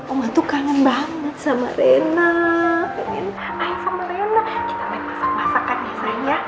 omah tuh kangen banget sama rena pengen air sama rena kita main masak masakan ya sayang